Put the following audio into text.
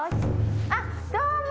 あっどうも！